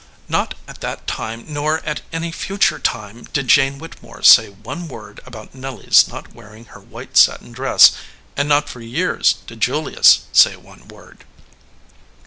Not at that time nor at any future time did Jane Whittemore say one word about Nelly s not wearing her white satin dress, 195 EDGEWATER PEOPLE and not for years did Julius say one word.